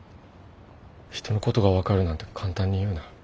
人のことが分かるなんて簡単に言うな。